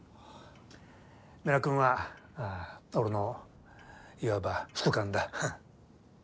米良君は俺のいわば副官だ。